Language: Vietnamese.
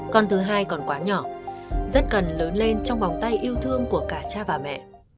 con thứ hai còn quá nhỏ rất cần lớn lên trong vòng tay yêu thương của cả cha và mẹ